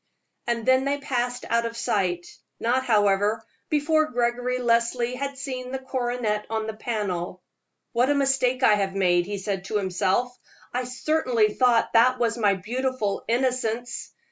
And then they passed out of sight not, however, before Gregory Leslie had seen the coronet on the panel. "What a mistake I have made," he said to himself. "I certainly thought that was my beautiful 'Innocence.'